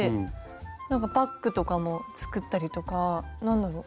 なんかバッグとかも作ったりとか何だろう